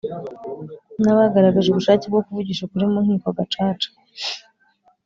n abagaragaje ubushake bwo kuvugisha ukuri mu nkiko Gacaca